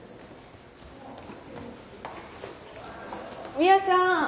美和ちゃん